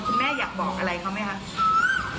แม่อยากบอกอะไรเขาไหมคะ